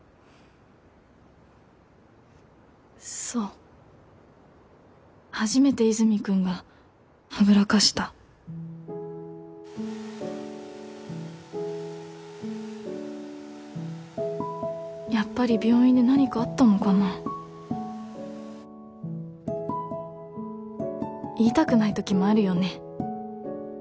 そう初めて和泉君がはぐらかしたやっぱり病院で何かあったのかな言いたくないときもあるよね